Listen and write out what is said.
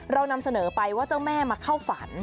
เรานำเสนอไปว่าเจ้าแม่มาเข้าฝัน